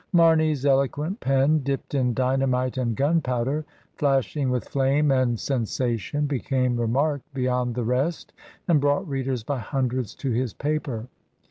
Mame/s eloquent pen, dipped in d)mamite and gunpowder, flashing with flame and sensation, became remarked beyond the rest, and brought readers by hundreds to his paper.